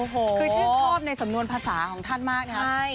คือชื่นชอบในสำนวนภาษาของท่านมากนะครับ